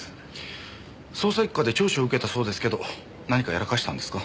捜査一課で聴取を受けたそうですけど何かやらかしたんですか？